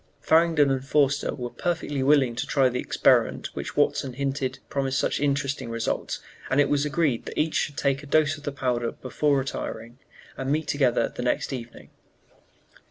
Farrington and Forster were perfectly willing to try the experiment which Watson hinted promised such interesting results, and it was agreed that each should take a dose of the powder before retiring, and meet together the next evening.